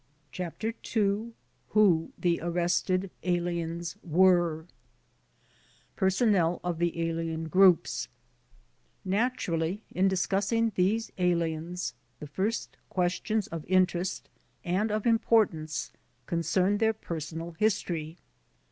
CHAPTER II WHO THE ARRESTED ALIENS WERE Personnel of the Alien Groups Naturally, in discussing these aliens the first questions of interest and of importance concern their personal history.